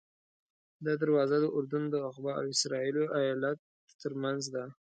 دا دروازه د اردن د عقبه او اسرائیلو ایلات ترمنځ ده.